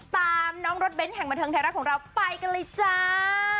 ตามน้องรถเบ้นแห่งบันเทิงไทยรัฐของเราไปกันเลยจ้า